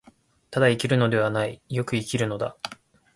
ただ生きるのではない、善く生きるのだ。